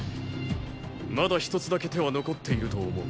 まだ一つだけ手は残っていると思う。